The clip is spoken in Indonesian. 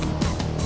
terima kasih wak